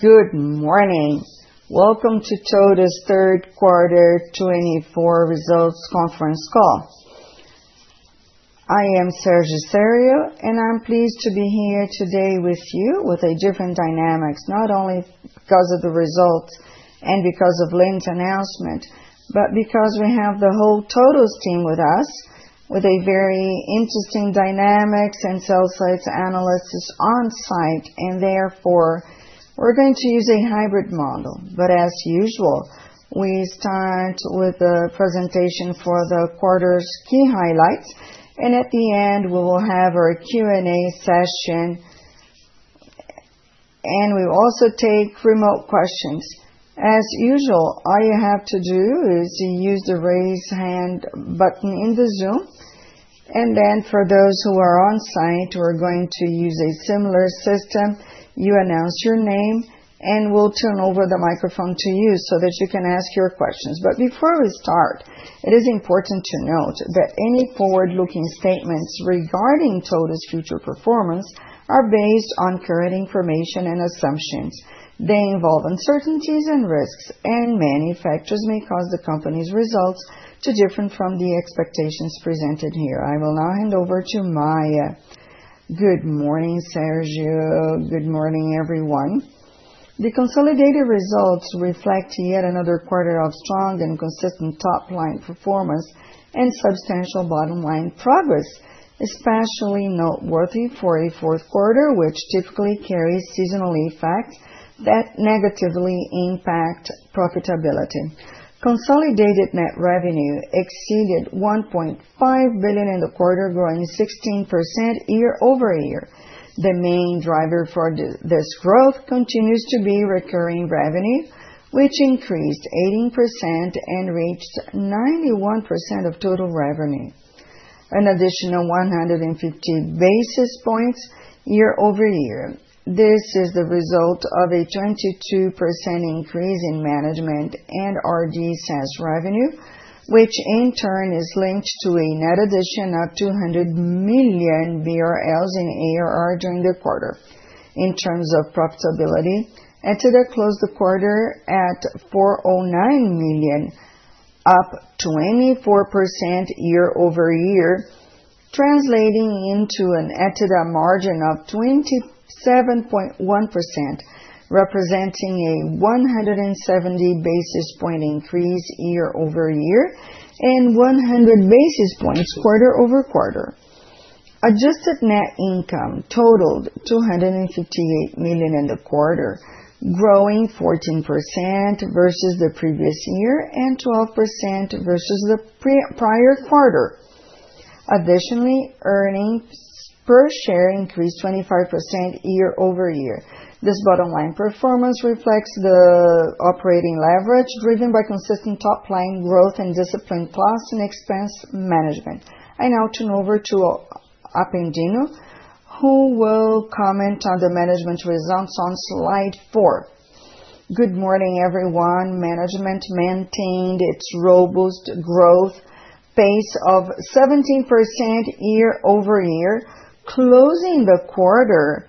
Good morning! Welcome to TOTVS' Third Quarter 2024 Results Conference Call. I am Sérgio, and I'm pleased to be here today with you with a different dynamics, not only because of the results and because of LYNN's announcement, but because we have the whole TOTVS team with us, with a very interesting dynamics and sell-side analysts is on-site, and therefore, we're going to use a hybrid model. As usual, we start with the presentation for the quarter's key highlights, and at the end, we will have our Q&A session, and we'll also take remote questions. As usual, all you have to do is use the Raise Hand button in the Zoom, for those who are on-site, we're going to use a similar system. You announce your name, and we'll turn over the microphone to you, so that you can ask your questions. Before we start, it is important to note that any forward-looking statements regarding TOTVS' future performance are based on current information and assumptions. They involve uncertainties and risks, and many factors may cause the company's results to differ from the expectations presented here. I will now hand over to Maia. Good morning, Sérgio. Good morning, everyone. The consolidated results reflect yet another quarter of strong and consistent top-line performance and substantial bottom-line progress, especially noteworthy for a fourth quarter, which typically carries seasonal effects that negatively impact profitability. Consolidated net revenue exceeded 1.5 billion in the quarter, growing 16% year-over-year. The main driver for this growth continues to be recurring revenue, which increased 18% and reached 91% of total revenue, an additional 150 basis points year-over-year. This is the result of a 22% increase in management and RD SaaS revenue, which in turn is linked to a net addition of 200 million BRL in ARR during the quarter. In terms of profitability, EBITDA closed the quarter at 409 million, up 24% year-over-year, translating into an EBITDA margin of 27.1%, representing a 170 basis point increase year-over-year and 100 basis points quarter-over-quarter. Adjusted net income totaled 258 million in the quarter, growing 14% versus the previous year and 12% versus the prior quarter. Additionally, earnings per share increased 25% year-over-year. This bottom line performance reflects the operating leverage, driven by consistent top-line growth and disciplined cost and expense management. I now turn over to Apendino, who will comment on the management results on slide four. Good morning, everyone. Management maintained its robust growth pace of 17% year-over-year, closing the quarter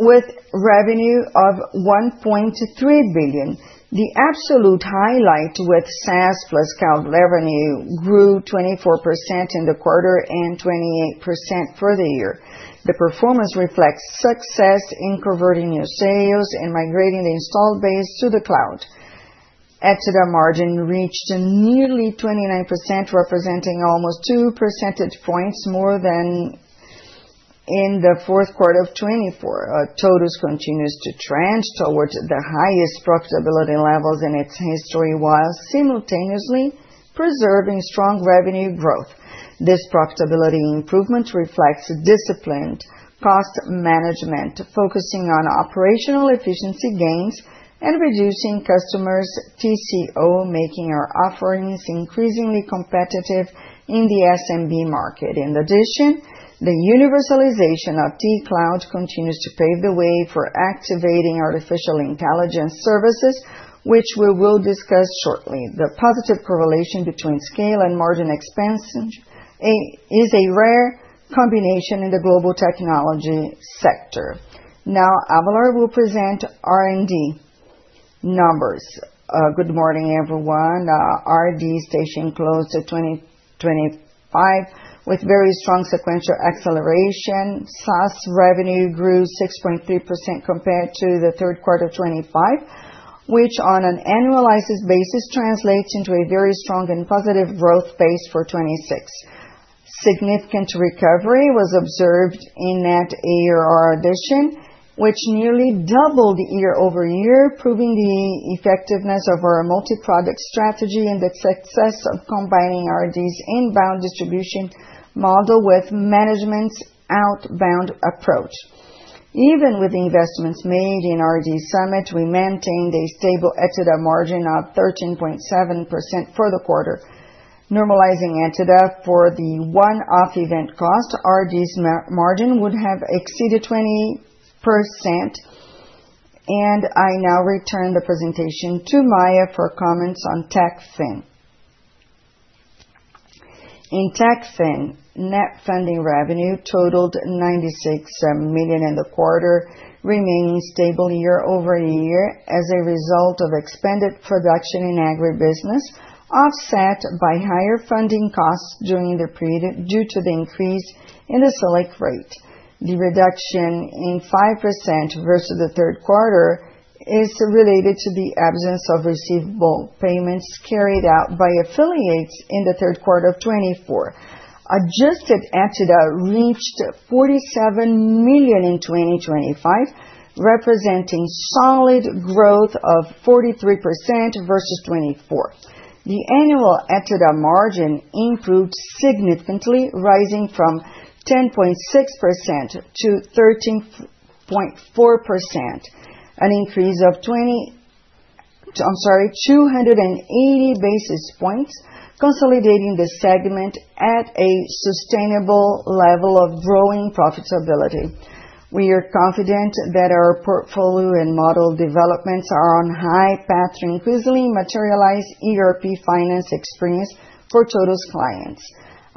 with revenue of 1.3 billion. The absolute highlight with SaaS plus cloud revenue grew 24% in the quarter and 28% for the year. The performance reflects success in converting new sales and migrating the installed base to the cloud. EBITDA margin reached nearly 29%, representing almost 2 percentage points more than in the fourth quarter of 2024. TOTVS continues to trend towards the highest profitability levels in its history, while simultaneously preserving strong revenue growth. This profitability improvement reflects disciplined cost management, focusing on operational efficiency gains and reducing customers' TCO, making our offerings increasingly competitive in the SMB market. In addition, the universalization of T-Cloud continues to pave the way for activating artificial intelligence services, which we will discuss shortly. The positive correlation between scale and margin expansion, is a rare combination in the global technology sector. Now, Avelar will present R&D numbers. Good morning, everyone. RD Station closed 2025 with very strong sequential acceleration. SaaS revenue grew 6.3% compared to the third quarter of 25, which on an annualized basis, translates into a very strong and positive growth pace for 2026. Significant recovery was observed in net ARR addition, which nearly doubled year-over-year, proving the effectiveness of our multi-product strategy and the success of combining RD's inbound distribution model with management's outbound approach. Even with the investments made in RD Summit, we maintained a stable EBITDA margin of 13.7% for the quarter. Normalizing EBITDA for the one-off event cost, RD's margin would have exceeded 20%. I now return the presentation to Maia for comments on TechFin. In TechFin, net funding revenue totaled 96 million in the quarter, remaining stable year-over-year as a result of expanded production in agribusiness, offset by higher funding costs during the period, due to the increase in the Selic rate. The reduction in 5% versus the third quarter, is related to the absence of receivable payments carried out by affiliates in the third quarter of 2024. Adjusted EBITDA reached 47 million in 2025, representing solid growth of 43% versus 2024. The annual EBITDA margin improved significantly, rising from 10.6% to 13.4%, an increase of 280 basis points, consolidating the segment at a sustainable level of growing profitability. We are confident that our portfolio and model developments are on high path to increasingly materialize ERP finance experience for TOTVS clients.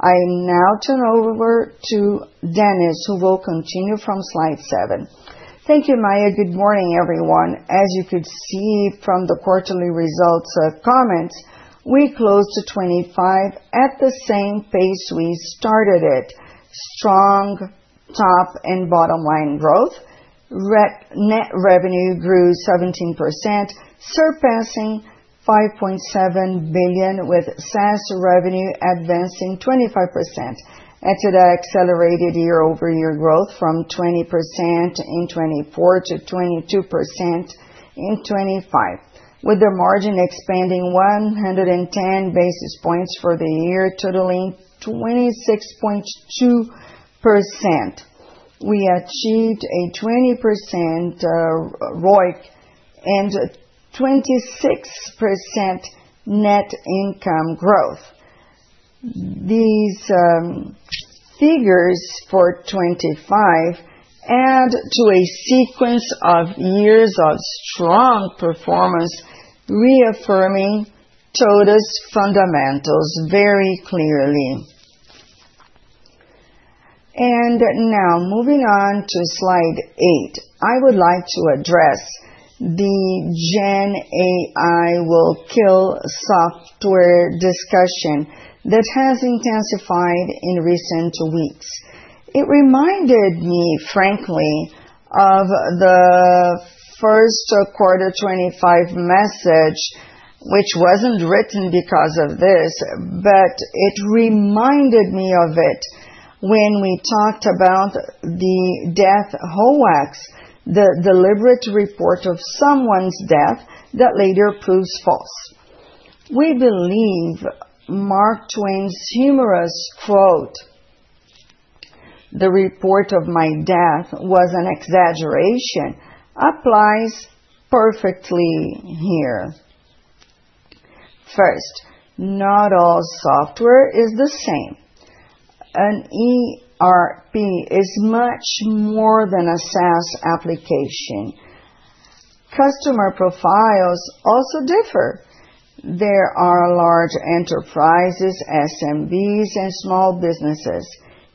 I now turn over to Dennis, who will continue from slide seven. Thank you, Maia. Good morning, everyone. As you could see from the quarterly results, comments, we closed to 2025 at the same pace we started it. Strong top and bottom line growth. Net revenue grew 17%, surpassing 5.7 billion, with SaaS revenue advancing 25%. EBITDA accelerated year-over-year growth from 20% in 2024 to 22% in 2025, with the margin expanding 110 basis points for the year, totaling 26.2%. We achieved a 20% ROIC and 26% net income growth. These figures for 2025 add to a sequence of years of strong performance, reaffirming TOTVS fundamentals very clearly. Now moving on to slide eight, I would like to address the Gen AI will kill software discussion that has intensified in recent weeks. It reminded me, frankly, of the first quarter 25 message, which wasn't written because of this, but it reminded me of it when we talked about the death hoax, the deliberate report of someone's death that later proves false. We believe Mark Twain's humorous quote: "The report of my death was an exaggeration," applies perfectly here. First, not all software is the same. An ERP is much more than a SaaS application. Customer profiles also differ. There are large enterprises, SMBs, and small businesses.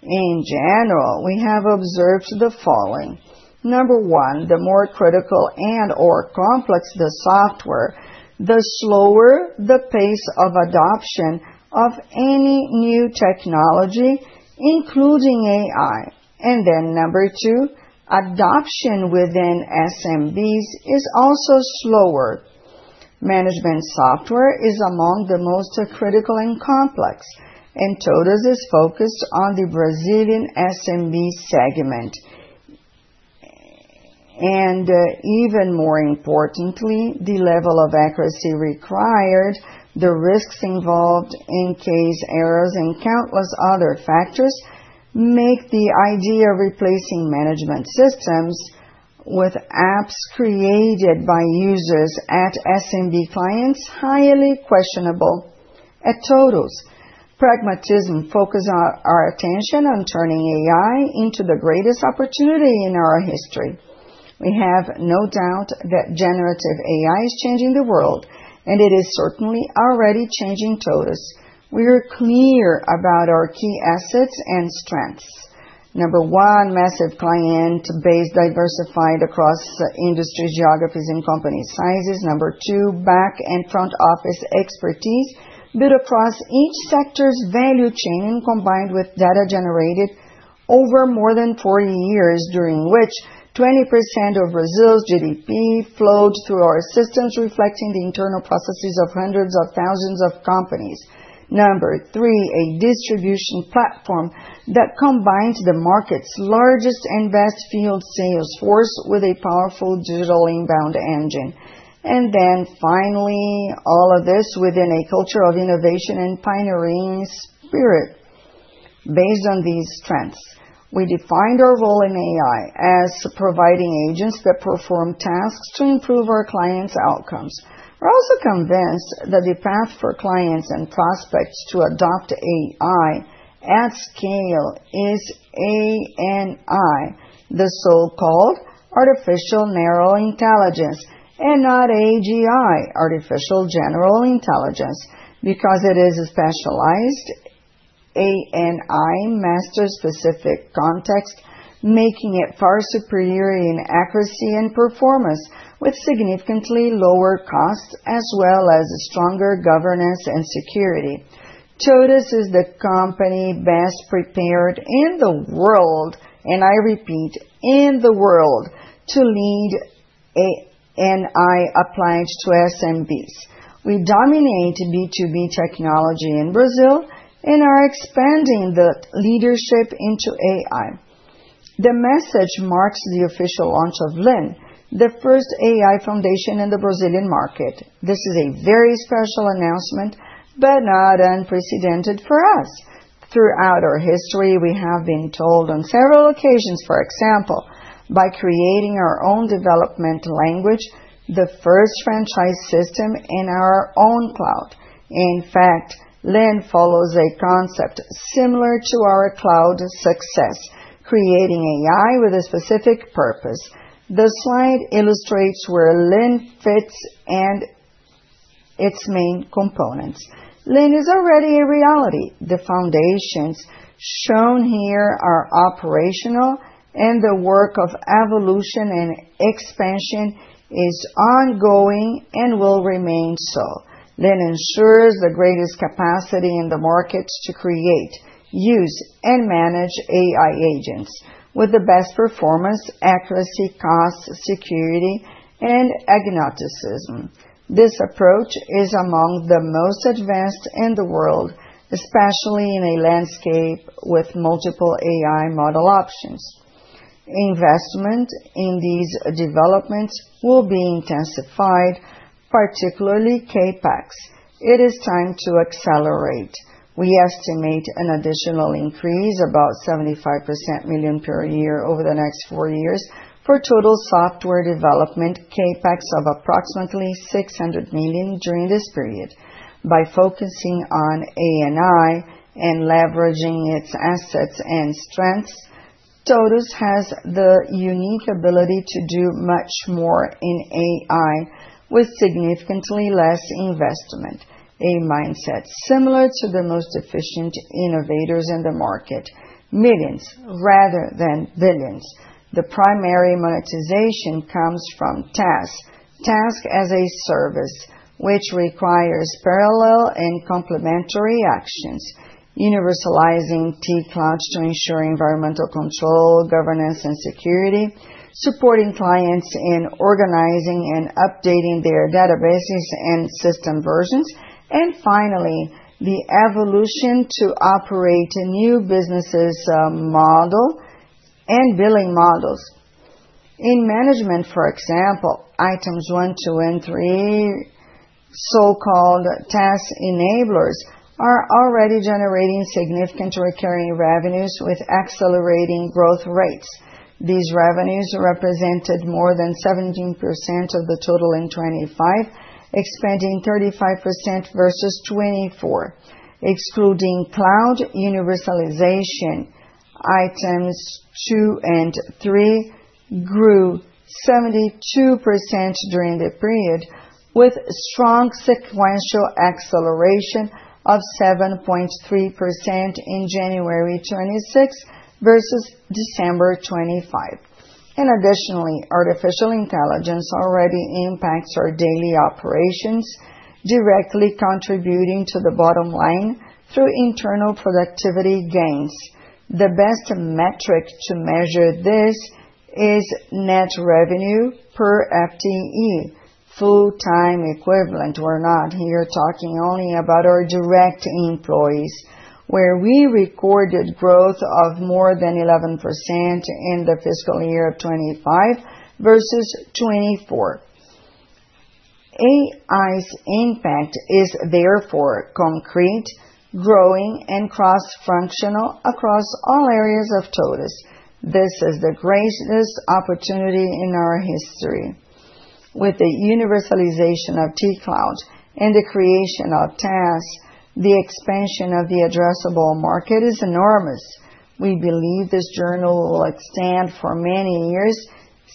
In general, we have observed the following. Number one, the more critical and/or complex the software, the slower the pace of adoption of any new technology, including AI. Number two, adoption within SMBs is also slower. Management software is among the most critical and complex, and TOTVS is focused on the Brazilian SMB segment. Even more importantly, the level of accuracy required, the risks involved in case errors and countless other factors, make the idea of replacing management systems with apps created by users at SMB clients, highly questionable. At TOTVS, pragmatism focus our attention on turning AI into the greatest opportunity in our history. We have no doubt that generative AI is changing the world, and it is certainly already changing TOTVS. We are clear about our key assets and strengths. Number one, massive client base diversified across industries, geographies, and company sizes. Number two, back and front office expertise built across each sector's value chain, combined with data generated over more than 40 years, during which 20% of Brazil's GDP flowed through our systems, reflecting the internal processes of hundreds of thousands of companies. Number three, a distribution platform that combines the market's largest and best field sales force with a powerful digital inbound engine. Finally, all of this within a culture of innovation and pioneering spirit. Based on these strengths, we defined our role in AI as providing agents that perform tasks to improve our clients' outcomes. We're also convinced that the path for clients and prospects to adopt AI. At scale is ANI, the so-called artificial narrow intelligence, and not AGI, artificial general intelligence, because it is a specialized ANI master specific context, making it far superior in accuracy and performance, with significantly lower costs, as well as stronger governance and security. TOTVS is the company best prepared in the world, and I repeat, in the world, to lead ANI appliance to SMBs. We dominate B2B technology in Brazil and are expanding the leadership into AI. The message marks the official launch of LYNN, the first AI foundation in the Brazilian market. This is a very special announcement, but not unprecedented for us. Throughout our history, we have been told on several occasions, for example, by creating our own development language, the first franchise system in our own cloud. In fact, LYNN follows a concept similar to our cloud success, creating AI with a specific purpose. The slide illustrates where LYNN fits and its main components. LYNN is already a reality. The foundations shown here are operational, and the work of evolution and expansion is ongoing and will remain so. LYNN ensures the greatest capacity in the market to create, use, and manage AI agents with the best performance, accuracy, cost, security, and agnosticism. This approach is among the most advanced in the world, especially in a landscape with multiple AI model options. Investment in these developments will be intensified, particularly CapEx. It is time to accelerate. We estimate an additional increase, about BRL 75% million per year over the next four years, for total software development CapEx of approximately 600 million during this period. By focusing on ANI and leveraging its assets and strengths, TOTVS has the unique ability to do much more in AI with significantly less investment, a mindset similar to the most efficient innovators in the market, millions rather than billions. The primary monetization comes from TaaS, Task as a Service, which requires parallel and complementary actions: universalizing T-Cloud to ensure environmental control, governance, and security, supporting clients in organizing and updating their databases and system versions, and finally, the evolution to operate a new businesses, model and billing models. In management, for example, items one, two, and three, so-called TaaS enablers, are already generating significant recurring revenues with accelerating growth rates. These revenues represented more than 17% of the total in 2025, expanding 35% versus 2024. Excluding cloud universalization, items two and three grew 72% during the period, with strong sequential acceleration of 7.3% in January 2026 versus December 2025. Additionally, artificial intelligence already impacts our daily operations, directly contributing to the bottom line through internal productivity gains. The best metric to measure this is net revenue per FTE, full-time equivalent. We're not here talking only about our direct employees, where we recorded growth of more than 11% in the fiscal year of 2025 versus 2024. AI's impact is therefore concrete, growing, and cross-functional across all areas of TOTVS. This is the greatest opportunity in our history. With the universalization of T-Cloud and the creation of TaaS, the expansion of the addressable market is enormous. We believe this journey will extend for many years,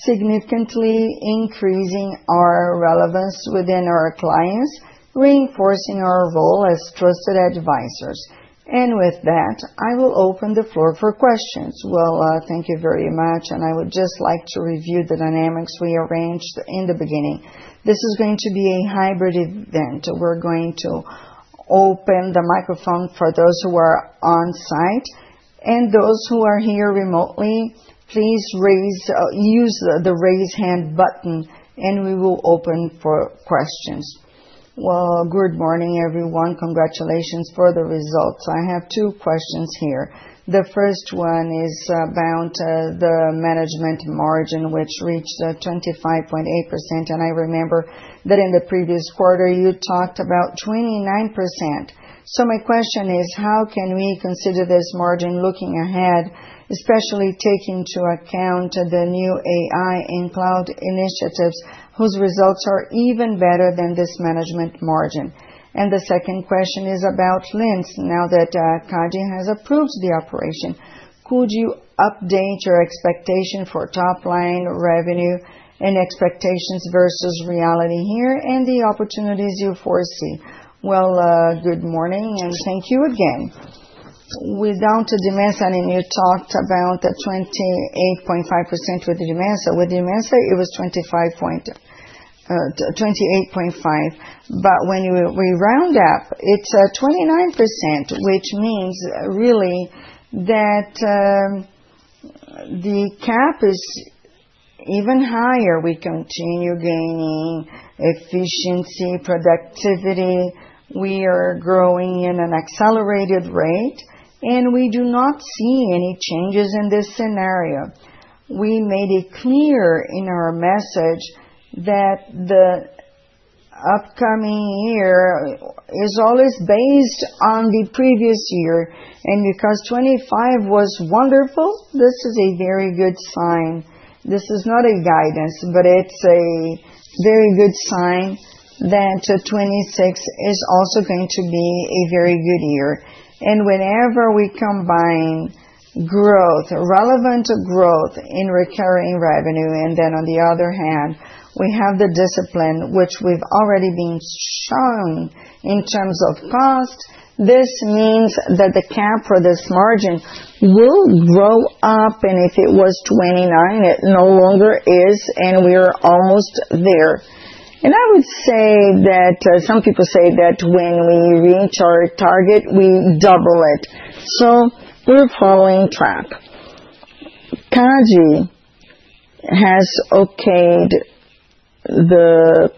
significantly increasing our relevance within our clients, reinforcing our role as trusted advisors. With that, I will open the floor for questions. Well, thank you very much. I would just like to review the dynamics we arranged in the beginning. This is going to be a hybrid event. We're going to open the microphone for those who are on site, and those who are here remotely, please raise, use the raise hand button, and we will open for questions. Well, good morning, everyone. Congratulations for the results. I have two questions here. The first one is about the management margin, which reached 25.8%. I remember that in the previous quarter, you talked about 29%. My question is: How can we consider this margin looking ahead, especially taking into account the new AI and cloud initiatives, whose results are even better than this management margin? The second question is about Linx. Now that CADE has approved the operation, could you update your expectation for top line revenue and expectations versus reality here, and the opportunities you foresee? Well, good morning, and thank you again. We're down to Dimensa, and you talked about the 28.5% with Dimensa. With Dimensa, it was 28.5%, but when we round up, it's 29%, which means really that the cap is even higher. We continue gaining efficiency, productivity. We are growing in an accelerated rate, and we do not see any changes in this scenario. We made it clear in our message that the upcoming year is always based on the previous year, and because 25% was wonderful, this is a very good sign. This is not a guidance, but it's a very good sign that 26% is also going to be a very good year. Whenever we combine growth, relevant growth in recurring revenue, then on the other hand, we have the discipline which we've already been shown in terms of cost, this means that the cap for this margin will grow up, if it was 29%, it no longer is, we are almost there. I would say that some people say that when we reach our target, we double it. We're following track. CADE has okayed the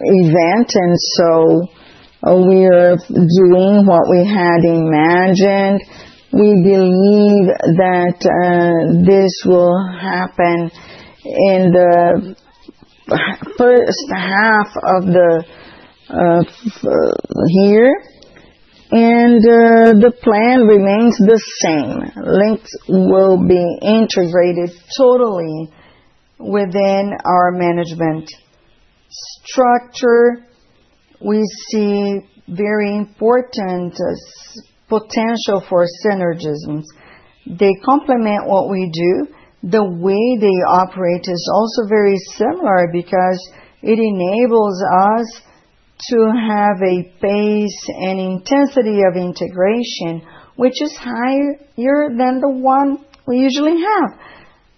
event, we are doing what we had imagined. We believe that this will happen in the first half of the year, the plan remains the same. Linx will be integrated totally within our management structure. We see very important potential for synergisms. They complement what we do. The way they operate is also very similar because it enables us to have a pace and intensity of integration, which is higher than the one we usually have.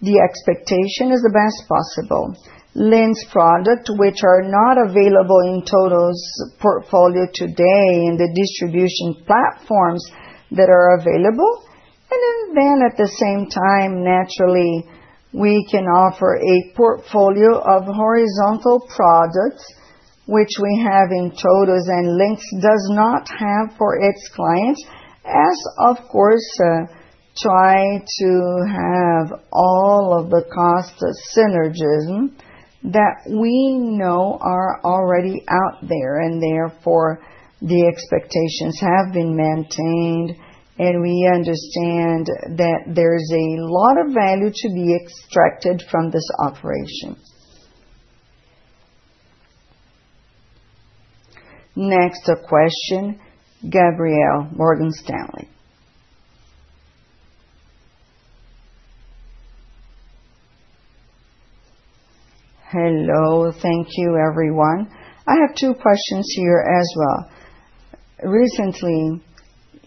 The expectation is the best possible. Linx product, which are not available in TOTVS' portfolio today in the distribution platforms that are available. At the same time, naturally, we can offer a portfolio of horizontal products, which we have in TOTVS and Linx does not have for its clients. Of course, try to have all of the cost synergism that we know are already out there, and therefore, the expectations have been maintained, and we understand that there's a lot of value to be extracted from this operation. Next, a question, Gabriel, Morgan Stanley. Hello, thank you, everyone. I have two questions here as well. Recently,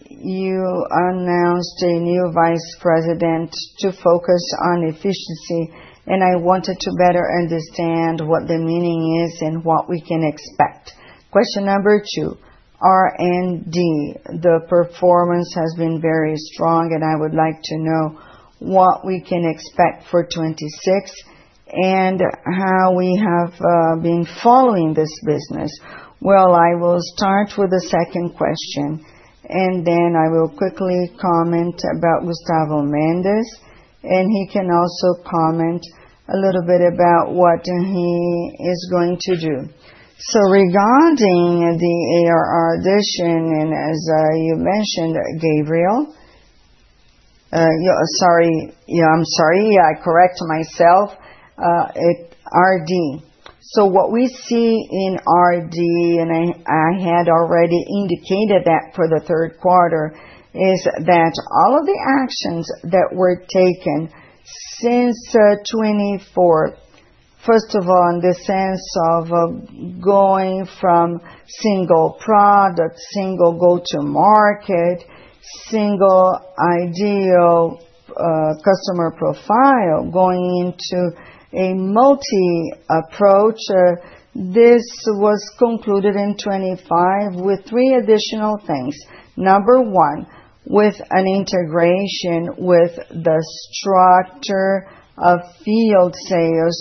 you announced a new vice president to focus on efficiency, and I wanted to better understand what the meaning is and what we can expect. Question number two, R&D. The performance has been very strong, and I would like to know what we can expect for 26 and how we have been following this business. I will start with the second question, and then I will quickly comment about Gustavo Mendes, and he can also comment a little bit about what he is going to do. Regarding the ARR addition, as you mentioned, Gabriel, yeah, I'm sorry, I correct myself, it RD. What we see in RD, and I had already indicated that for the third quarter, is that all of the actions that were taken since 2024, first of all, in the sense of going from single product, single go-to-market, single ideal customer profile, going into a multi-approach, this was concluded in 2025 with three additional things. Number one, with an integration with the structure of field sales,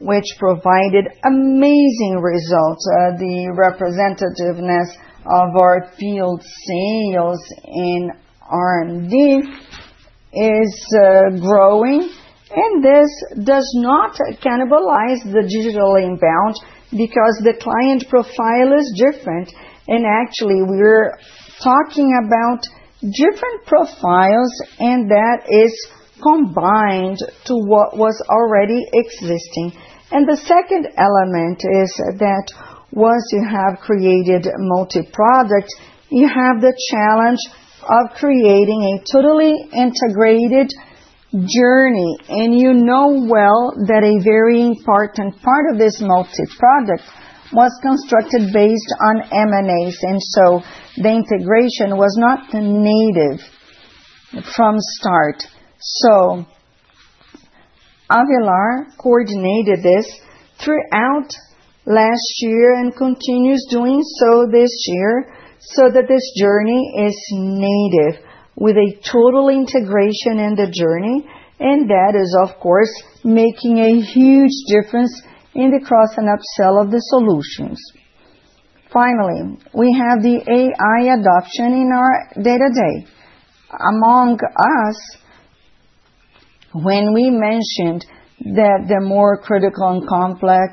which provided amazing results. The representativeness of our field sales in R&D is growing, and this does not cannibalize the digital inbound because the client profile is different. Actually, we're talking about different profiles, and that is combined to what was already existing. The second element is that once you have created multi-product, you have the challenge of creating a totally integrated journey, and you know well that a very important part of this multi-product was constructed based on M&As, and so the integration was not native from start. Avelar coordinated this throughout last year and continues doing so this year, so that this journey is native with a total integration in the journey, and that is, of course, making a huge difference in the cross and upsell of the solutions. Finally, we have the AI adoption in our day-to-day. Among us, when we mentioned that the more critical and complex,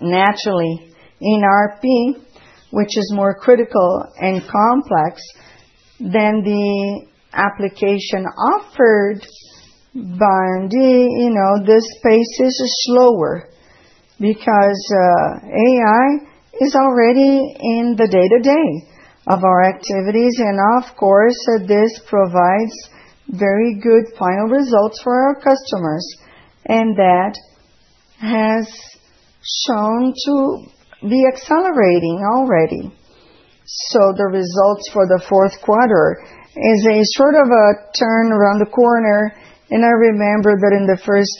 naturally in ERP, which is more critical and complex than the application offered by RD, you know, the pace is slower because AI is already in the day-to-day of our activities. Of course, this provides very good final results for our customers, and that has shown to be accelerating already. The results for the fourth quarter is a sort of a turn around the corner, and I remember that in the first,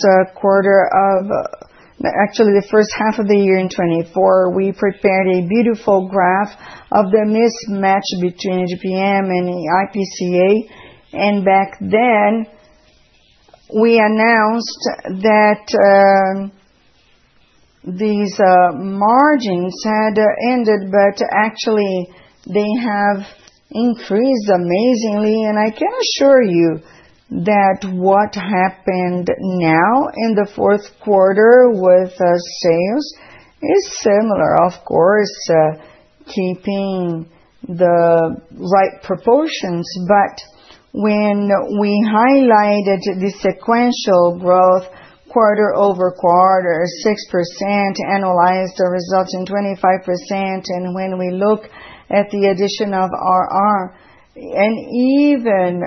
actually, the first half of the year in 2024, we prepared a beautiful graph of the mismatch between IGP-M and IPCA. Back then, we announced that, these, margins had, ended, but actually, they have increased amazingly. I can assure you that what happened now in the fourth quarter with, sales is similar. Of course, keeping the right proportions, but when we highlighted the sequential growth quarter-over-quarter, 6% annualized the results in 25%. When we look at the addition of ARR, even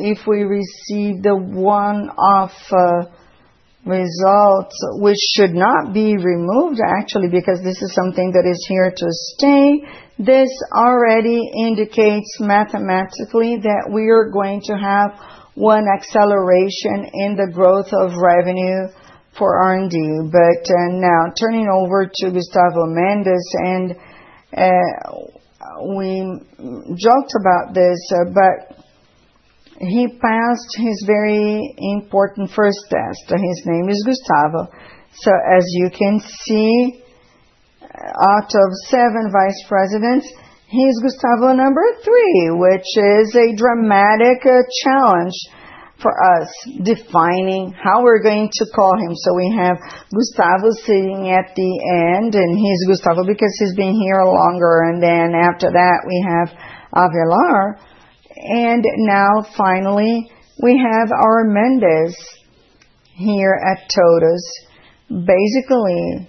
if we receive the one-off results, which should not be removed, actually, because this is something that is here to stay, this already indicates mathematically that we are going to have one acceleration in the growth of revenue for R&D. Now, turning over to Gustavo Mendes, we joked about this, but he passed his very important first test. His name is Gustavo. As you can see, out of seven vice presidents, he's Gustavo number three, which is a dramatic challenge for us, defining how we're going to call him. We have Gustavo sitting at the end, and he's Gustavo because he's been here longer. After that, we have Avelar. Now, finally, we have our Mendes here at TOTVS. Basically,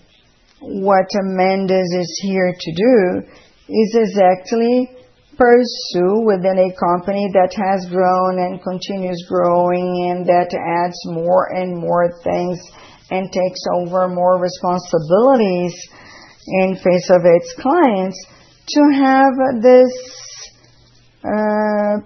what Mendes is here to do is exactly pursue within a company that has grown and continues growing, and that adds more and more things, and takes over more responsibilities in face of its clients, to have this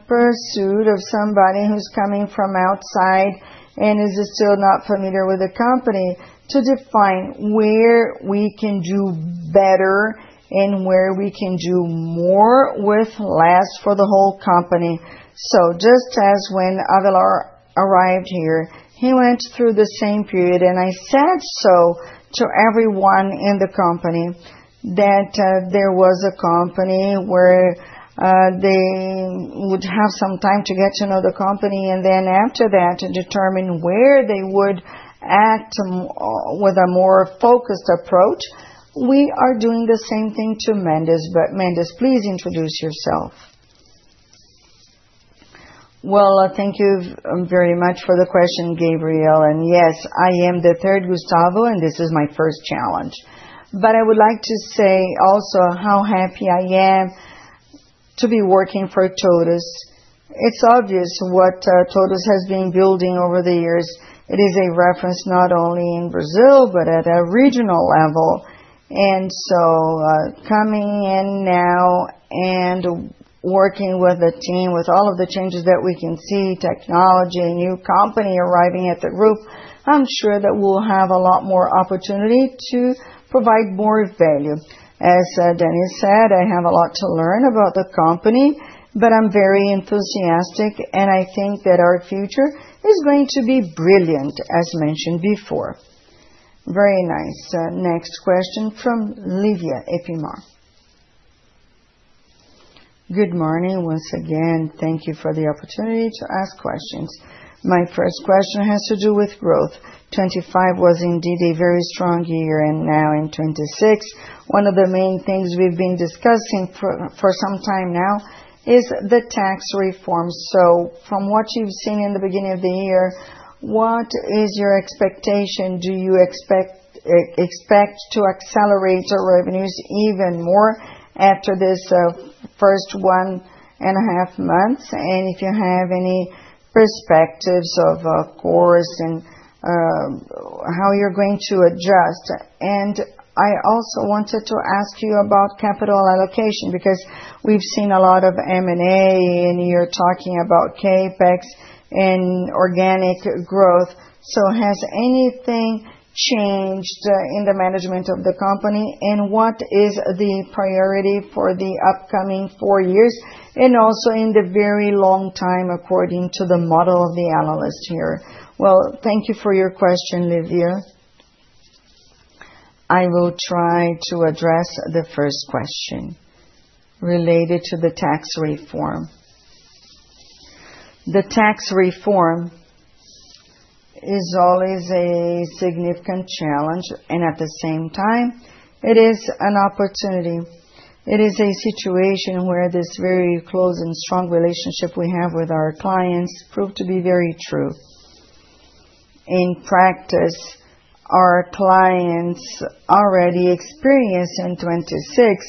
pursuit of somebody who's coming from outside and is still not familiar with the company, to define where we can do better and where we can do more with less for the whole company. Just as when Avelar arrived here, he went through the same period, and I said so to everyone in the company, that there was a company where they would have some time to get to know the company, and then after that, determine where they would act with a more focused approach. We are doing the same thing to Mendes. Mendes, please introduce yourself. Well, thank you very much for the question, Gabriel. Yes, I am the third Gustavo, and this is my first challenge. I would like to say also how happy I am to be working for TOTVS. It's obvious what TOTVS has been building over the years. It is a reference not only in Brazil, but at a regional level. Coming in now and working with a team, with all of the changes that we can see, technology and new company arriving at the group, I'm sure that we'll have a lot more opportunity to provide more value. As Dennis said, I have a lot to learn about the company, I'm very enthusiastic, I think that our future is going to be brilliant, as mentioned before. Very nice. Next question from Livia Epimar. Good morning once again. Thank you for the opportunity to ask questions. My first question has to do with growth. 2025 was indeed a very strong year, and now in 2026, one of the main things we've been discussing for some time now is the tax reform. From what you've seen in the beginning of the year, what is your expectation? Do you expect to accelerate your revenues even more after this first 1.5 months? If you have any perspectives of course and how you're going to adjust. I also wanted to ask you about capital allocation, because we've seen a lot of M&A, and you're talking about CapEx and organic growth. Has anything changed in the management of the company? What is the priority for the upcoming four years, and also in the very long time, according to the model of the analyst here? Well, thank you for your question, Livia. I will try to address the first question related to the tax reform. The tax reform is always a significant challenge, and at the same time, it is an opportunity. It is a situation where this very close and strong relationship we have with our clients proved to be very true. In practice, our clients already experienced in 26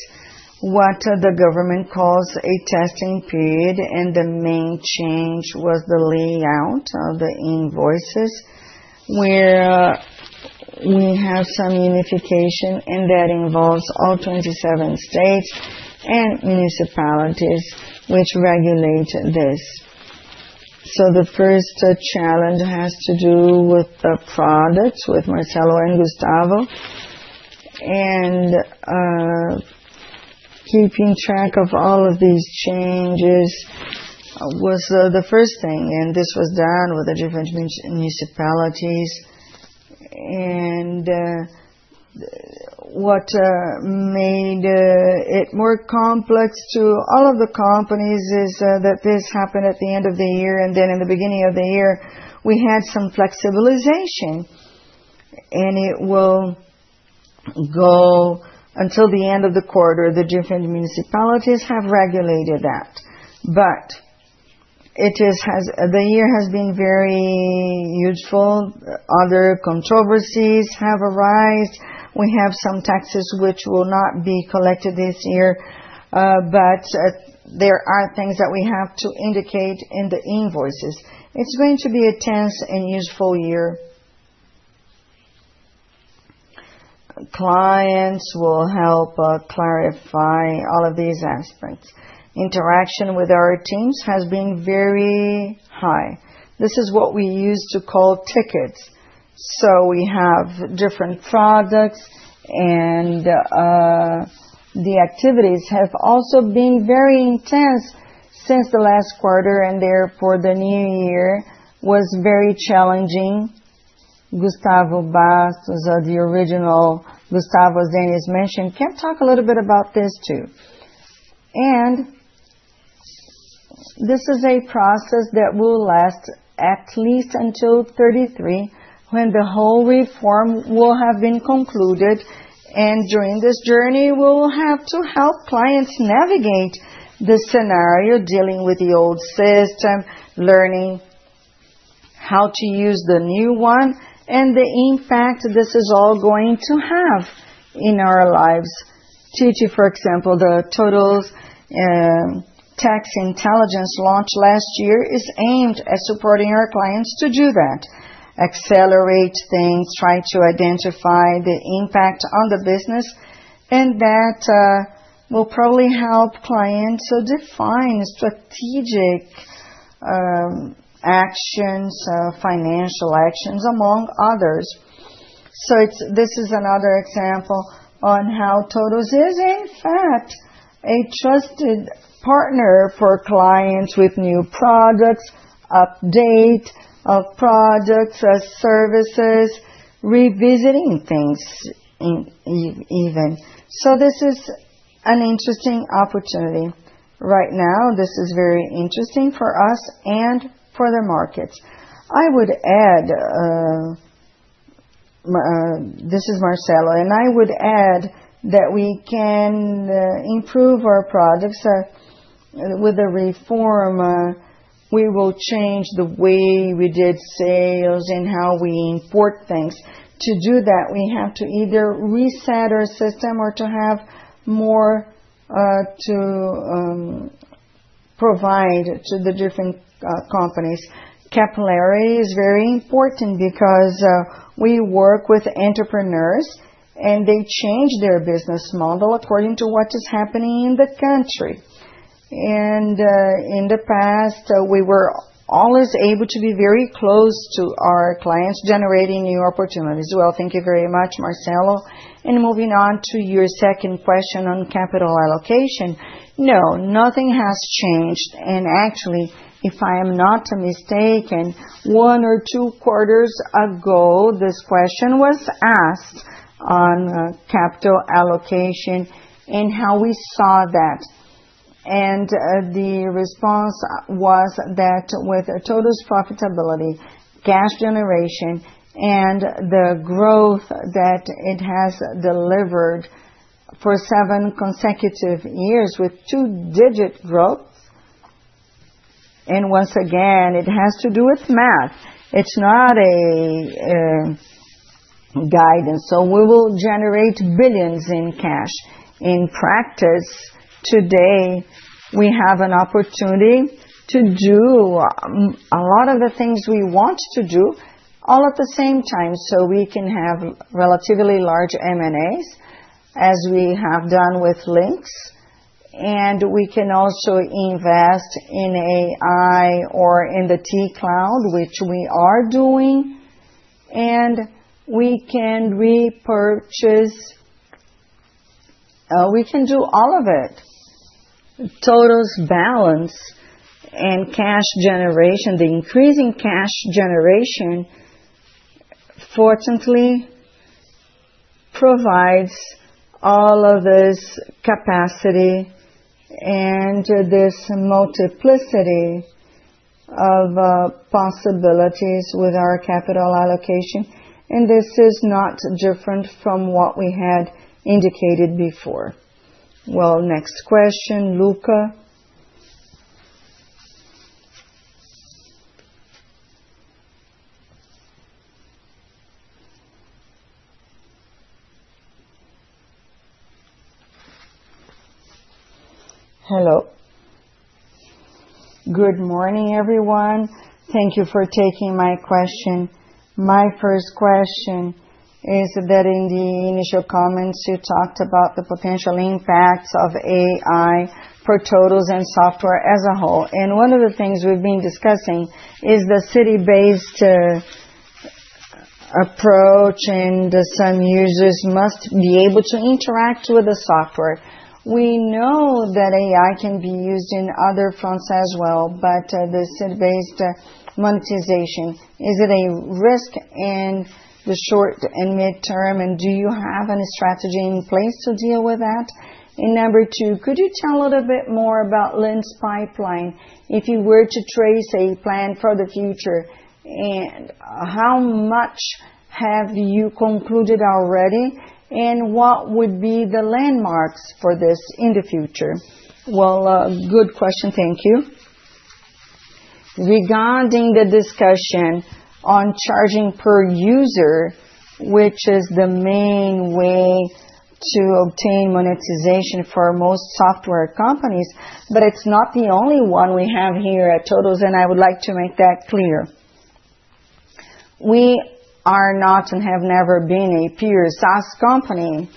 what the government calls a testing period, and the main change was the layout of the invoices, where we have some unification, and that involves all 27 states and municipalities which regulate this. The first challenge has to do with the products, with Marcelo and Gustavo. Keeping track of all of these changes was the first thing, and this was done with the different municipalities. What made it more complex to all of the companies is that this happened at the end of the year, and then in the beginning of the year, we had some flexibilization, and it will go until the end of the quarter. The different municipalities have regulated that. The year has been very useful. Other controversies have arisen. We have some taxes which will not be collected this year, but there are things that we have to indicate in the invoices. It's going to be a tense and useful year. Clients will help clarify all of these aspects. Interaction with our teams has been very high. This is what we used to call tickets. We have different products, the activities have also been very intense since the last quarter, the new year was very challenging. Gustavo Bastos, as the original Gustavo Bastos mentioned, can talk a little bit about this, too. This is a process that will last at least until 33, when the whole tax reform will have been concluded, and during this journey, we'll have to help clients navigate the scenario, dealing with the old system, learning how to use the new one, and the impact this is all going to have in our lives. TTI, for example, the TOTVS Tax Intelligence launched last year, is aimed at supporting our clients to do that, accelerate things, try to identify the impact on the business, and that will probably help clients to define strategic actions, financial actions, among others. This is another example on how TOTVS is, in fact, a trusted partner for clients with new products, update of products or services, revisiting things even. This is an interesting opportunity. Right now, this is very interesting for us and for the markets. I would add, this is Marcelo, and I would add that we can improve our products. With the tax reform, we will change the way we did sales and how we import things. To do that, we have to either reset our system or to have more to provide to the different companies. Capillarity is very important because we work with entrepreneurs, and they change their business model according to what is happening in the country. In the past, we were always able to be very close to our clients, generating new opportunities. Well, thank you very much, Marcelo. Moving on to your second question on capital allocation. No, nothing has changed, and actually, if I am not mistaken, one or two quarters ago, this question was asked on capital allocation and how we saw that. The response was that with TOTVS profitability, cash generation, and the growth that it has delivered for seven consecutive years with two-digit growth, and once again, it has to do with math. It's not a guidance, so we will generate billions in cash. In practice, today, we have an opportunity to do a lot of the things we want to do all at the same time. We can have relatively large M&As, as we have done with Linx, and we can also invest in AI or in the T-Cloud, which we are doing, and we can do all of it. TOTVS' balance and cash generation, the increasing cash generation, fortunately, provides all of this capacity and this multiplicity of possibilities with our capital allocation. This is not different from what we had indicated before. Well, next question, Luca? Hello. Good morning, everyone. Thank you for taking my question. My first question is that in the initial comments, you talked about the potential impacts of AI for TOTVS and software as a whole. One of the things we've been discussing is the seat-based approach, and some users must be able to interact with the software. We know that AI can be used in other fronts as well, but the seat-based monetization, is it a risk in the short and midterm, and do you have any strategy in place to deal with that? Number two, could you tell a little bit more about Linx pipeline, if you were to trace a plan for the future, and how much have you concluded already, and what would be the landmarks for this in the future? Well, good question. Thank you. Regarding the discussion on charging per user, which is the main way to obtain monetization for most software companies, but it's not the only one we have here at TOTVS. I would like to make that clear. We are not and have never been a pure SaaS company,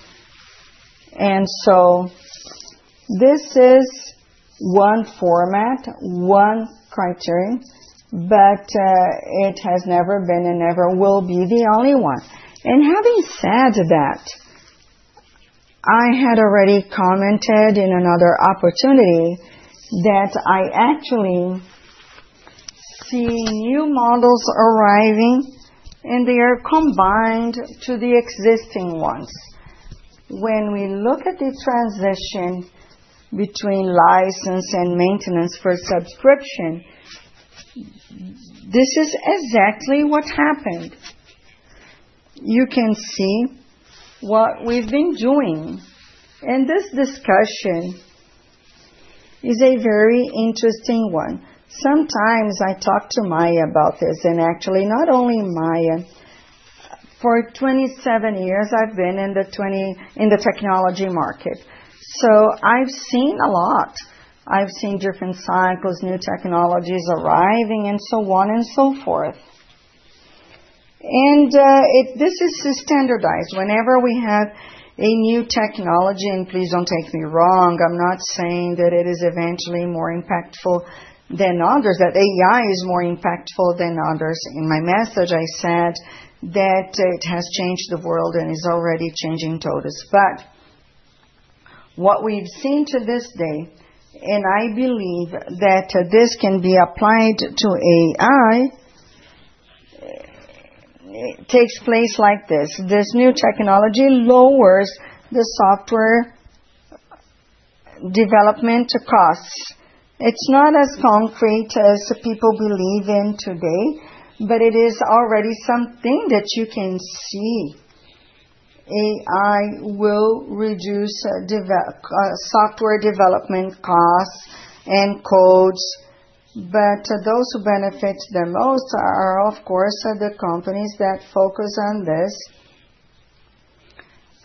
so this is one format, one criterion, but it has never been and never will be the only one. Having said that, I had already commented in another opportunity that I actually see new models arriving, and they are combined to the existing ones. When we look at the transition between license and maintenance for subscription, this is exactly what happened. You can see what we've been doing, and this discussion is a very interesting one. Sometimes I talk to Maia about this, and actually, not only Maia. For 27 years, I've been in the technology market, so I've seen a lot. I've seen different cycles, new technologies arriving, and so on and so forth. This is standardized. Whenever we have a new technology, please don't take me wrong, I'm not saying that it is eventually more impactful than others, that AI is more impactful than others. In my message, I said that it has changed the world and is already changing TOTVS. What we've seen to this day, I believe that this can be applied to AI, takes place like this: This new technology lowers the software development costs. It's not as concrete as people believe in today, it is already something that you can see. AI will reduce software development costs and codes, those who benefit the most are, of course, the companies that focus on this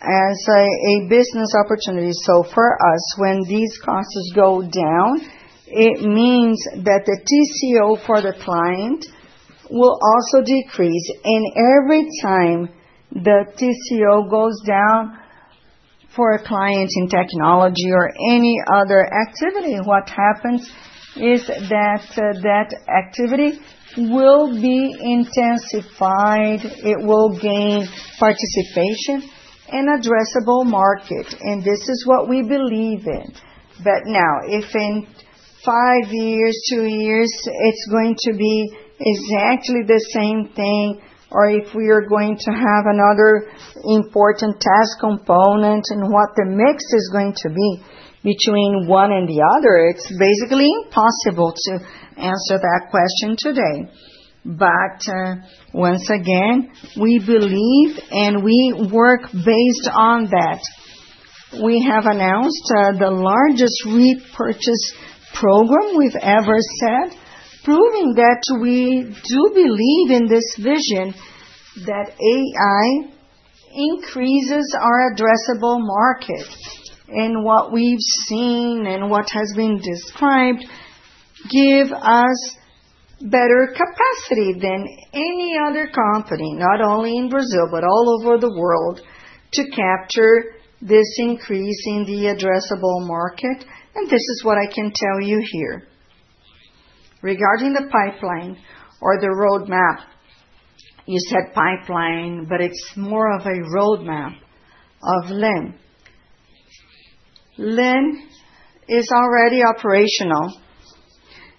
as a business opportunity. For us, when these costs go down, it means that the TCO for the client will also decrease, every time-... the TCO goes down for a client in technology or any other activity, what happens is that activity will be intensified, it will gain participation and addressable market. This is what we believe in. Now, if in five years, two years, it's going to be exactly the same thing, or if we are going to have another important task component, what the mix is going to be between one and the other, it's basically impossible to answer that question today. Once again, we believe and we work based on that. We have announced, the largest repurchase program we've ever set, proving that we do believe in this vision, that AI increases our addressable market. What we've seen and what has been described, give us better capacity than any other company, not only in Brazil, but all over the world, to capture this increase in the addressable market, and this is what I can tell you here. Regarding the pipeline or the roadmap, you said pipeline, but it's more of a roadmap of LYNN. LYNN is already operational.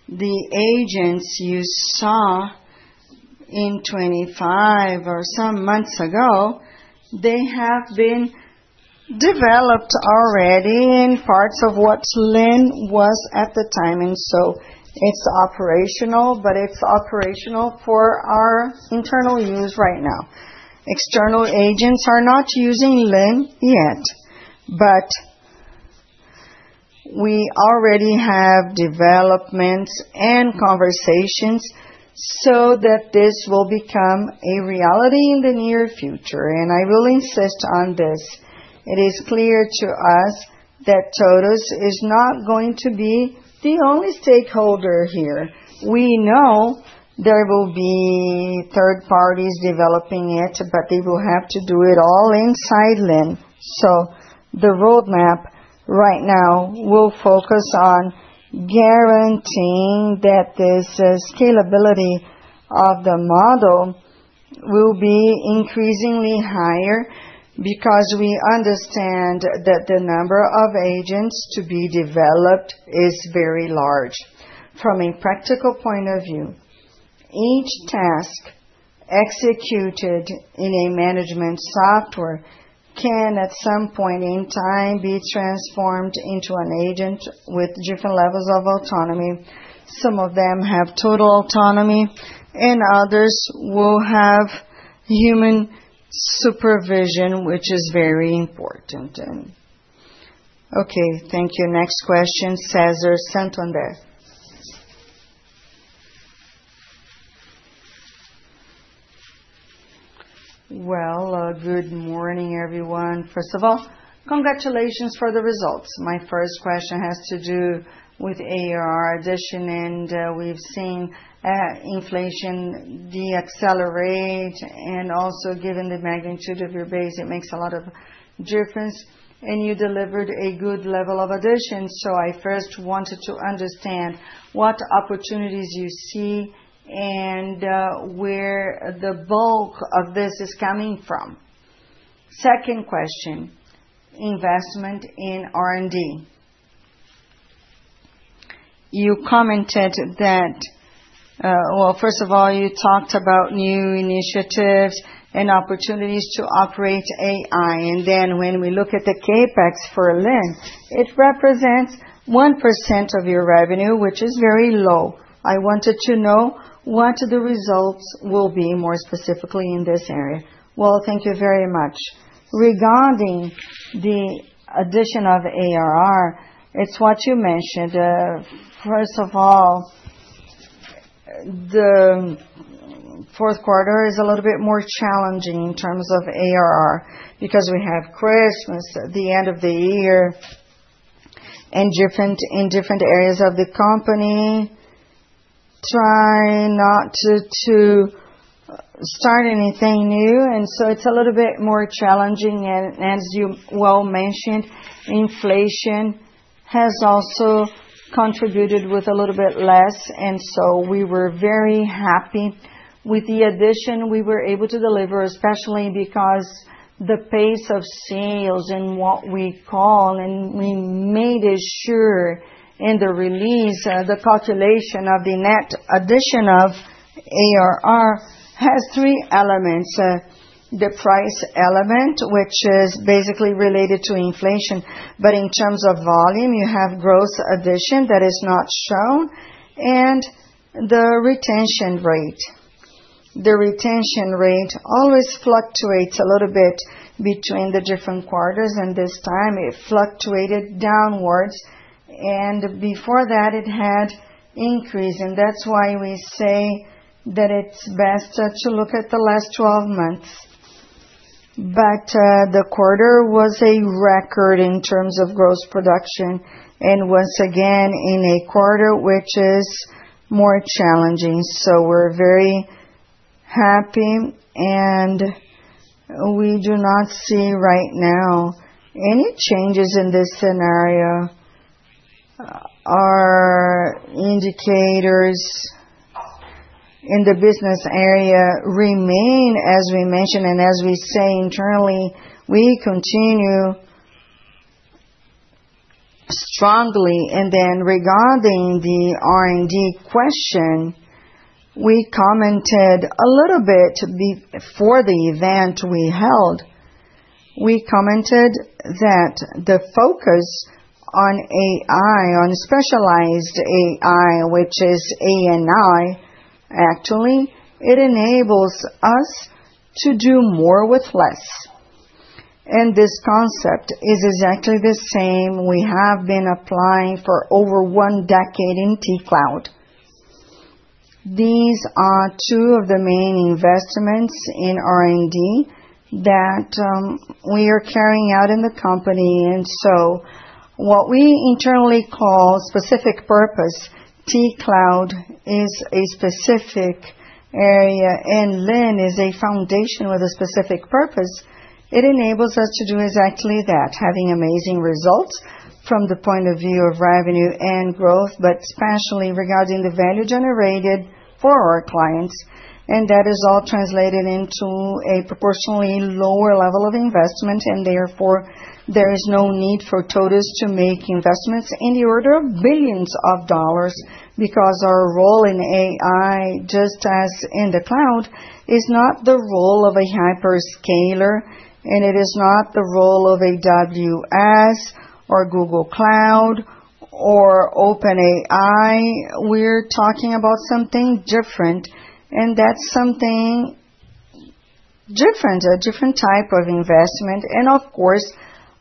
The agents you saw in 25 or some months ago, they have been developed already in parts of what LYNN was at the time, it's operational, but it's operational for our internal use right now. External agents are not using LYNN yet, but we already have developments and conversations so that this will become a reality in the near future. I will insist on this, it is clear to us that TOTVS is not going to be the only stakeholder here. We know there will be third parties developing it, but they will have to do it all inside LYNN. The roadmap right now will focus on guaranteeing that this scalability of the model will be increasingly higher, because we understand that the number of agents to be developed is very large. From a practical point of view, each task executed in a management software can, at some point in time, be transformed into an agent with different levels of autonomy. Some of them have total autonomy, and others will have human supervision, which is very important. Okay, thank you. Next question, Cesar, Santander. Well, good morning, everyone. First of all, congratulations for the results. My first question has to do with ARR addition, and we've seen inflation decelerate, and also, given the magnitude of your base, it makes a lot of difference, and you delivered a good level of addition. I first wanted to understand what opportunities you see and where the bulk of this is coming from. Second question, investment in R&D. You commented that. Well, first of all, you talked about new initiatives and opportunities to operate AI. When we look at the CapEx for Linx, it represents 1% of your revenue, which is very low. I wanted to know what the results will be, more specifically in this area. Well, thank you very much. Regarding the addition of ARR, it's what you mentioned. First of all, the fourth quarter is a little bit more challenging in terms of ARR, because we have Christmas, the end of the year, and in different areas of the company, trying not to start anything new. It's a little bit more challenging. As you well mentioned, inflation has also contributed with a little bit less, so we were very happy. With the addition, we were able to deliver, especially because the pace of sales and what we call, and we made it sure in the release, the calculation of the net addition of ARR has three elements: the price element, which is basically related to inflation, but in terms of volume, you have growth addition that is not shown, and the retention rate. The retention rate always fluctuates a little bit between the different quarters, and this time it fluctuated downwards, and before that, it had increased. That's why we say that it's best to look at the last 12 months. The quarter was a record in terms of gross production, and once again, in a quarter, which is more challenging. We're happy, and we do not see right now any changes in this scenario. Our indicators in the business area remain, as we mentioned, and as we say internally, we continue strongly. Regarding the R&D question, we commented a little bit before the event we held. We commented that the focus on AI, on specialized AI, which is ANI, actually, it enables us to do more with less. This concept is exactly the same we have been applying for over one decade in T-Cloud. These are two of the main investments in R&D that we are carrying out in the company, what we internally call specific purpose, T-Cloud is a specific area, and LYNN is a foundation with a specific purpose. It enables us to do exactly that, having amazing results from the point of view of revenue and growth, especially regarding the value generated for our clients, that is all translated into a proportionally lower level of investment. Therefore, there is no need for TOTVS to make investments in the order of billions of dollars, because our role in AI, just as in the cloud, is not the role of a hyperscaler, and it is not the role of AWS or Google Cloud or OpenAI. We're talking about something different, that's something different, a different type of investment and of course,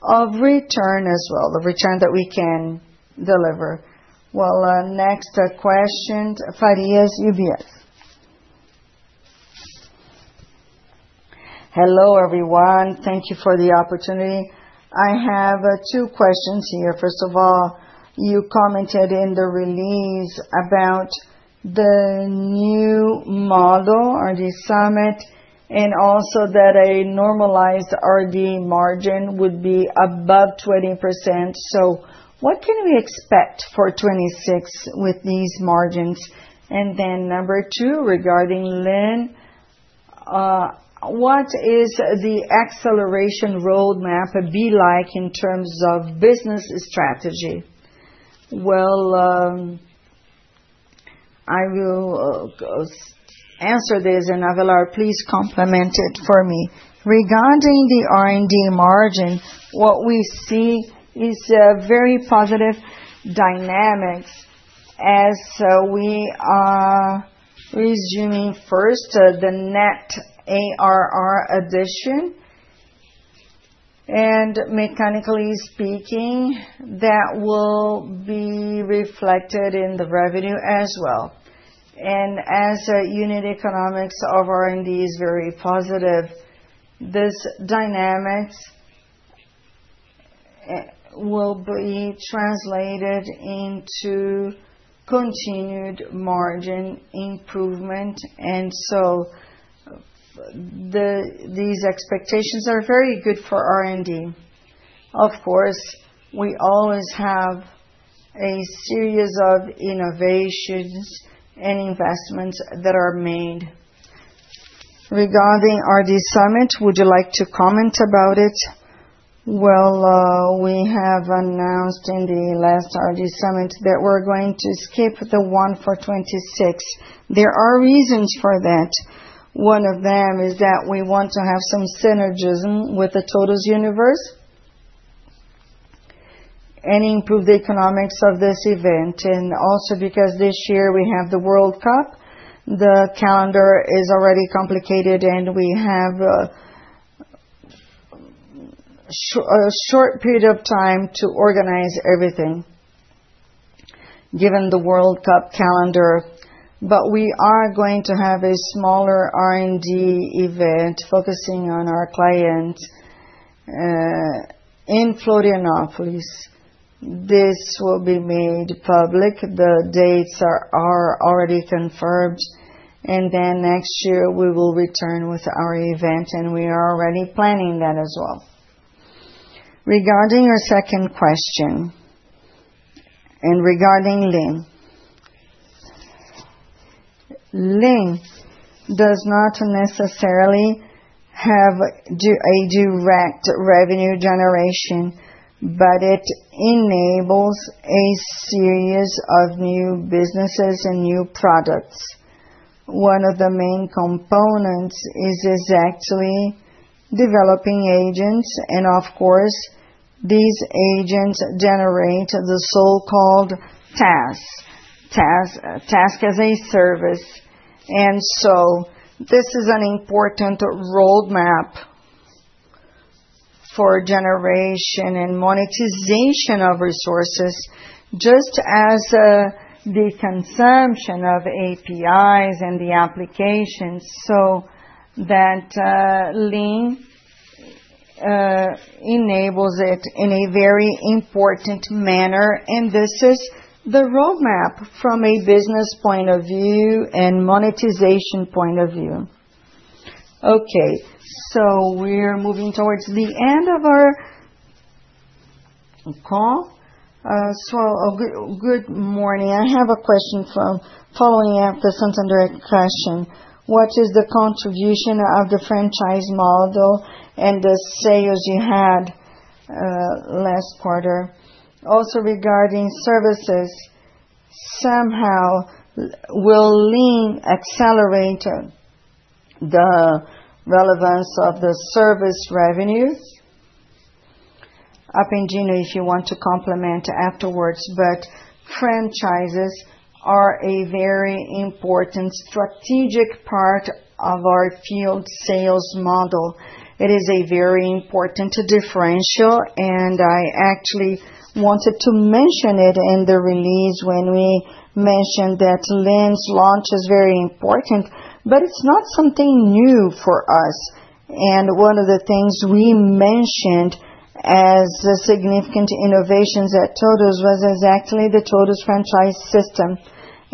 of return as well, the return that we can deliver. Well, next question, Leonardo Olmos, UBS. Hello, everyone. Thank you for the opportunity. I have two questions here. First of all, you commented in the release about the new model, RD Summit, and also that a normalized RD margin would be above 20%. What can we expect for 2026 with these margins? Number two, regarding LYNN, what is the acceleration roadmap be like in terms of business strategy? Well, I will answer this, Gustavo Avelar, please complement it for me. Regarding the R&D margin, what we see is a very positive dynamics as we are resuming first the net ARR addition. Mechanically speaking, that will be reflected in the revenue as well. As our unit economics of R&D is very positive, this dynamics will be translated into continued margin improvement. These expectations are very good for R&D. Of course, we always have a series of innovations and investments that are made. Regarding RD Summit, would you like to comment about it? We have announced in the last RD Summit that we're going to skip the one for 26. There are reasons for that. One of them is that we want to have some synergism with the Universo TOTVS, improve the economics of this event, because this year we have the World Cup. The calendar is already complicated. We have a short period of time to organize everything, given the World Cup calendar. We are going to have a smaller R&D event focusing on our clients in Florianópolis. This will be made public. The dates are already confirmed, next year, we will return with our event, and we are already planning that as well. Regarding your second question, regarding LYNN. LYNN does not necessarily have a direct revenue generation, but it enables a series of new businesses and new products. One of the main components is exactly developing agents, and of course, these agents generate the so-called TaaS, Task as a Service. This is an important roadmap for generation and monetization of resources, just as the consumption of APIs and the applications, so that LYNN enables it in a very important manner, and this is the roadmap from a business point of view and monetization point of view. Okay, we're moving towards the end of our call. Good morning. I have a question following up the Santander question. What is the contribution of the franchise model and the sales you had last quarter? Also, regarding services, somehow, will LYNN accelerate the relevance of the service revenues? Apendino, if you want to complement afterwards, franchises are a very important strategic part of our field sales model. It is a very important differential, I actually wanted to mention it in the release when we mentioned that LYNN's launch is very important, but it's not something new for us. One of the things we mentioned as the significant innovations at TOTVS was exactly the TOTVS franchise system,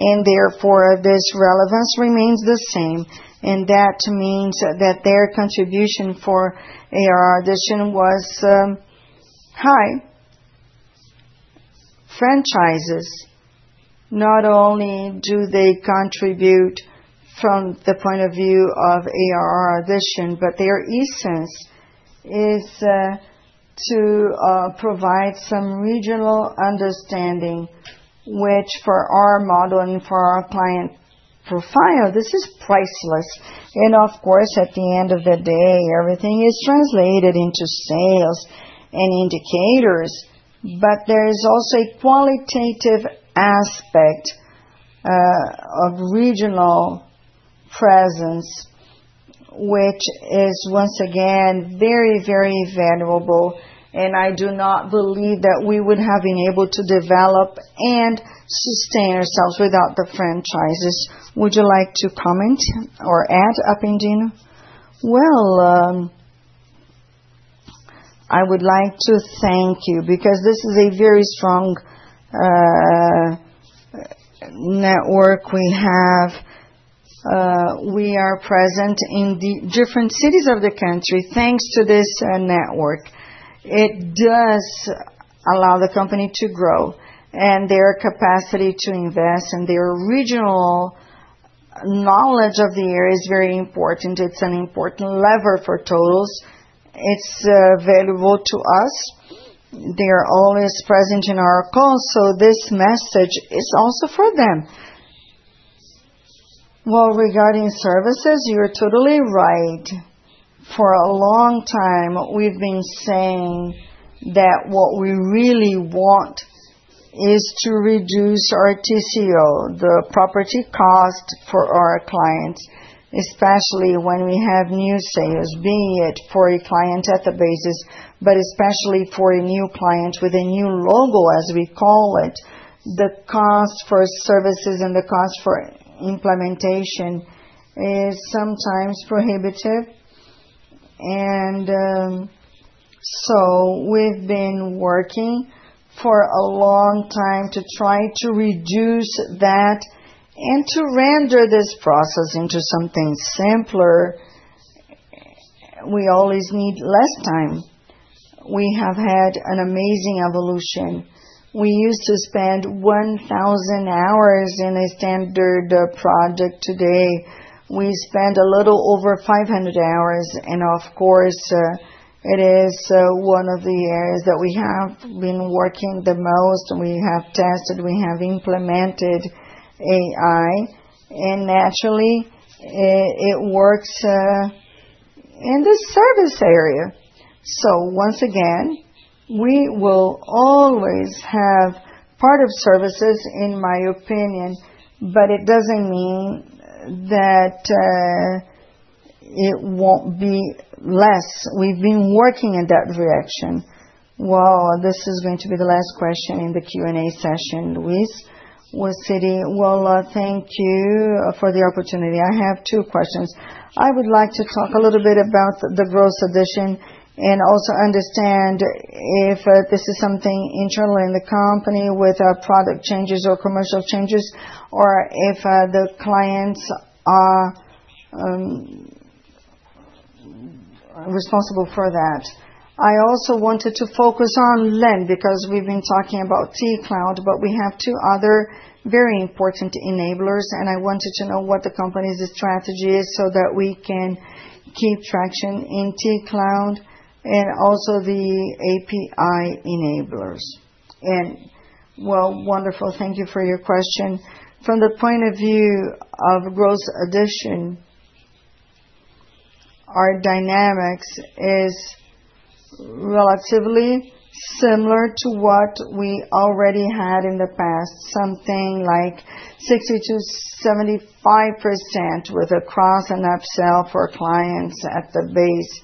and therefore, this relevance remains the same, and that means that their contribution for ARR addition was high. Franchises, not only do they contribute from the point of view of ARR addition, but their essence is to provide some regional understanding, which for our model and for our client profile, this is priceless. Of course, at the end of the day, everything is translated into sales and indicators, but there is also a qualitative aspect of regional presence, which is, once again, very valuable, and I do not believe that we would have been able to develop and sustain ourselves without the franchises. Would you like to comment or add, Apendino? Well, I would like to thank you, because this is a very strong network we have. We are present in the different cities of the country, thanks to this network. It does allow the company to grow, and their capacity to invest and their regional knowledge of the area is very important. It's an important lever for TOTVS. It's valuable to us. They are always present in our calls, so this message is also for them. Well, regarding services, you're totally right. For a long time, we've been saying that what we really want is to reduce our TCO, the property cost for our clients, especially when we have new sales, be it for a client at the basis, but especially for a new client with a new logo, as we call it. The cost for services and the cost for implementation is sometimes prohibitive. So we've been working for a long time to try to reduce that and to render this process into something simpler. We always need less time. We have had an amazing evolution. We used to spend 1,000 hours in a standard project. Today, we spend a little over 500 hours, and of course, it is one of the areas that we have been working the most. We have tested, we have implemented AI, and naturally, it works in the service area. Once again, we will always have part of services, in my opinion, but it doesn't mean that it won't be less. We've been working in that direction. This is going to be the last question in the Q&A session. Luiz with Citi. Thank you for the opportunity. I have two questions. I would like to talk a little bit about the gross addition, also understand if this is something internal in the company with our product changes or commercial changes, or if the clients are responsible for that. I also wanted to focus on LYNN, because we've been talking about T-Cloud, we have two other very important enablers, and I wanted to know what the company's strategy is, so that we can keep traction in T-Cloud and also the API enablers. Well, wonderful. Thank you for your question. From the point of view of gross addition, our dynamics is relatively similar to what we already had in the past, something like 60%-75% with a cross and upsell for clients at the base,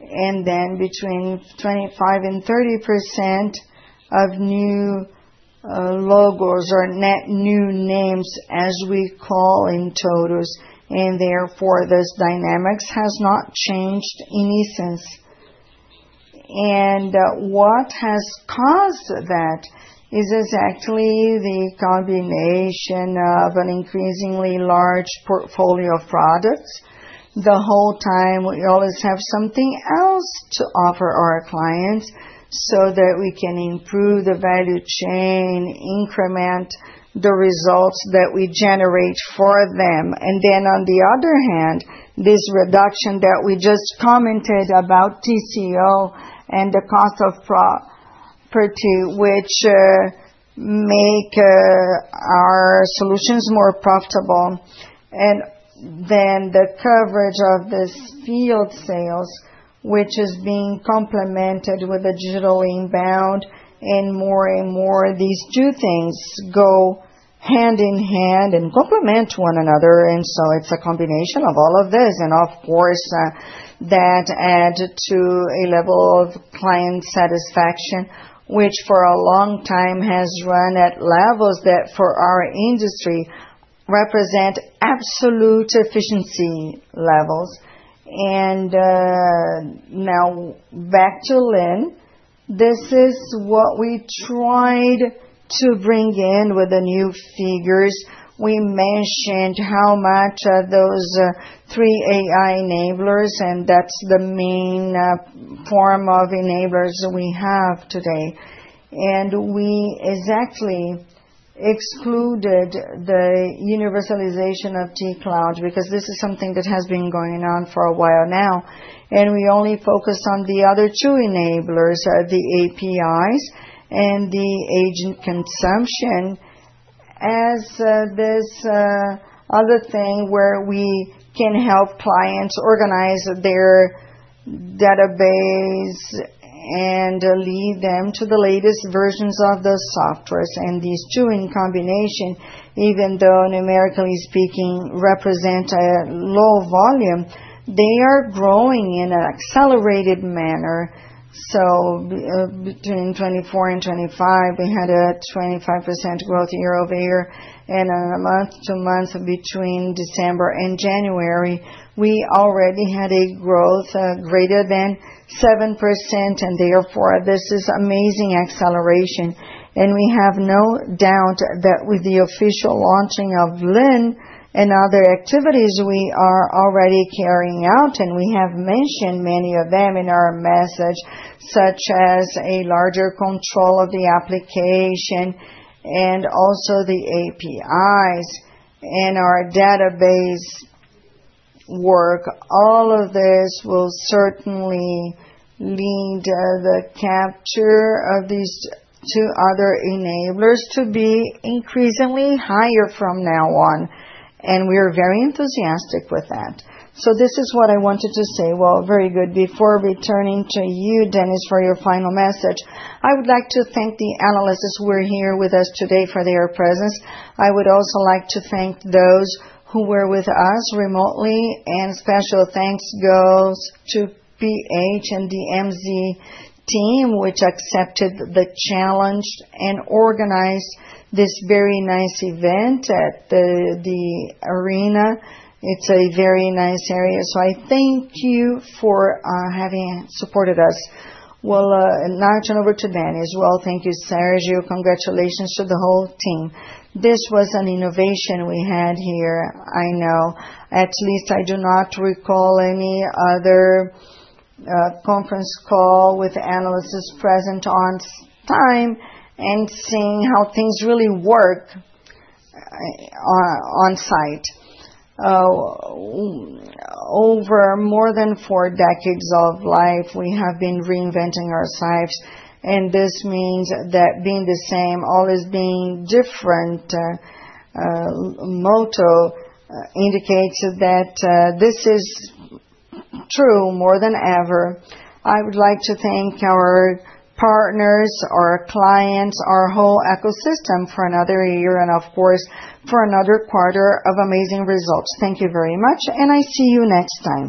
then between 25% and 30%. logos or net new names, as we call in TOTVS, and therefore, this dynamics has not changed any since. What has caused that is exactly the combination of an increasingly large portfolio of products. The whole time, we always have something else to offer our clients, so that we can improve the value chain, increment the results that we generate for them. On the other hand, this reduction that we just commented about TCO and the cost of Protheus, which make our solutions more profitable. The coverage of this field sales, which is being complemented with the digital inbound, and more and more these two things go hand in hand and complement one another. It's a combination of all of this, and of course, that add to a level of client satisfaction, which for a long time has run at levels that, for our industry, represent absolute efficiency levels. Now back to LYNN. This is what we tried to bring in with the new figures. We mentioned how much those three AI enablers, and that's the main form of enablers we have today. We exactly excluded the universalization of T-Cloud, because this is something that has been going on for a while now, and we only focus on the other two enablers, the APIs and the agent consumption. This other thing where we can help clients organize their database and lead them to the latest versions of the softwares. These two in combination, even though numerically speaking, represent a low volume, they are growing in an accelerated manner. Between 2024 and 2025, we had a 25% growth year-over-year, and month to month between December and January, we already had a growth greater than 7%, and therefore, this is amazing acceleration. We have no doubt that with the official launching of LYNN and other activities we are already carrying out, and we have mentioned many of them in our message, such as a larger control of the application and also the APIs and our database work. All of this will certainly lead the capture of these two other enablers to be increasingly higher from now on, and we are very enthusiastic with that. This is what I wanted to say. Well, very good. Before returning to you, Dennis, for your final message, I would like to thank the analysts who are here with us today for their presence. I would also like to thank those who were with us remotely, and special thanks goes to PH and the MZ team, which accepted the challenge and organized this very nice event at the arena. It's a very nice area, so I thank you for having supported us. We'll now turn over to Dennis. Well, thank you, Sérgio. Congratulations to the whole team. This was an innovation we had here, I know. At least I do not recall any other, conference call with analysts present on time and seeing how things really work, on site. Over more than four decades of life, we have been reinventing ourselves. This means that being the same, always being different, motto, indicates that this is true more than ever. I would like to thank our partners, our clients, our whole ecosystem for another year. Of course, for another quarter of amazing results. Thank you very much. I see you next time.